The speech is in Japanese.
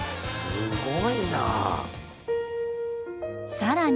［さらに］